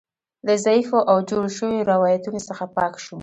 له ضعیفو او جوړو شویو روایتونو څخه پاک شو.